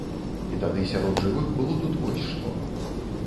І тады сярод жывых было тут вось што.